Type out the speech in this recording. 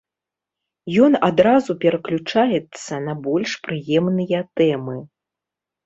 Ён адразу пераключаецца на больш прыемныя тэмы.